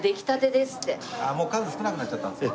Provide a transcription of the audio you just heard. もう数少なくなっちゃったんですよ。